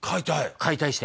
解体して。